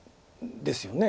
ですよね。